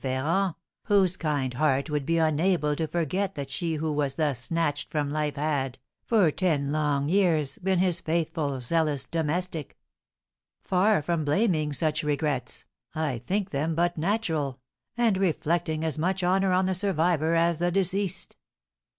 Ferrand, whose kind heart would be unable to forget that she who was thus snatched from life had, for ten long years, been his faithful, zealous domestic; far from blaming such regrets, I think them but natural, and reflecting as much honour on the survivor as the deceased."